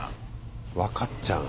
分かっちゃう。